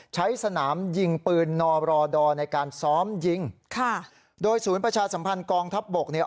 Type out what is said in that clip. ใช้สนามยิงปืนนรดในการซ้อมยิงค่ะโดยศูนย์ประชาสัมพันธ์กองทัพบกเนี่ย